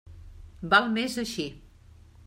Val més així.